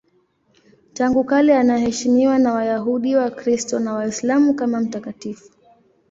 Tangu kale anaheshimiwa na Wayahudi, Wakristo na Waislamu kama mtakatifu.